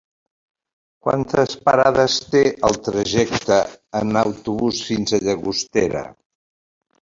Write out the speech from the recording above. Quantes parades té el trajecte en autobús fins a Llagostera?